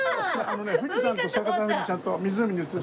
富士山と逆さ富士ちゃんと湖に映る。